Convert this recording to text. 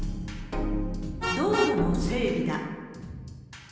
道路の整備だ。